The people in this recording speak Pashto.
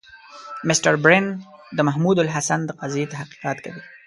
مسټر برن د محمودالحسن د قضیې تحقیقات کوي.